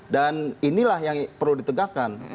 dan inilah yang perlu ditegakkan